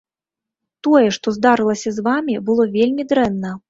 Тое, што здарылася з вамі, было вельмі дрэнна.